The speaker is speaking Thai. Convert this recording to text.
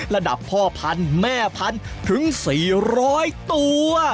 ระดับพ่อพันแม่พันถึง๔๐๐ตัว